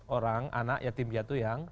orang anak yatim jatuh yang